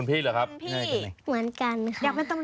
เพราะว่าต่อยมวยเก่งมาก